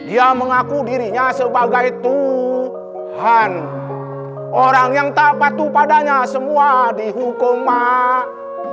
dia mengaku dirinya sebagai tuhan orang yang tak patuh padanya semua dihukum mak